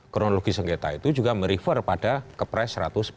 kronologi sengketa itu juga me refer pada kepres satu ratus sebelas dua ribu empat belas